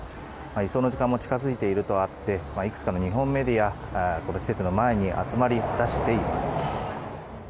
移送の時間も近づいているとあっていくつかの日本メディアがこの施設の前に集まりだしています。